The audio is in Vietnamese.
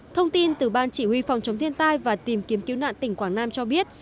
thông tin từ ban chỉ huy phòng chống thiên tai và tìm kiếm cứu nạn tỉnh quảng nam cho biết